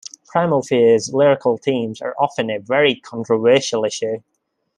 Primal Fear's lyrical themes are often a very controversial issue.